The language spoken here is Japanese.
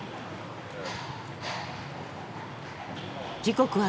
時刻は・・